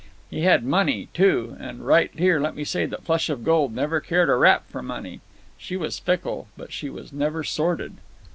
He had money, too—and right here let me say that Flush of Gold never cared a rap for money. She was fickle, but she was never sordid.